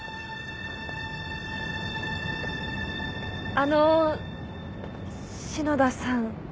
あの篠田さん。